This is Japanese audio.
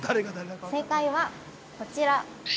◆正解は、こちら。